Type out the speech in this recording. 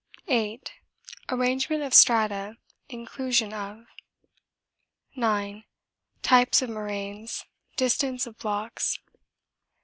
8. Arrangement of strata, inclusion of. 9. Types of moraines, distance of blocks.